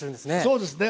そうですね。